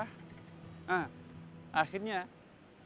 akhirnya rasulullah menjawab